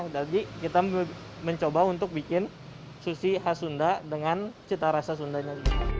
jadi kita mencoba untuk bikin sushi khas sunda dengan cita rasa sundanya